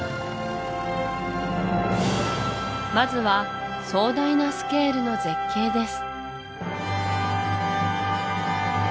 まずは壮大なスケールの絶景です